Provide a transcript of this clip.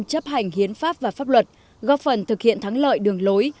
chấp hành hiến pháp và pháp luật góp phần thực hiện thắng lợi đường lối